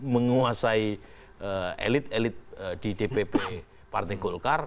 menguasai elit elit di dpp partai golkar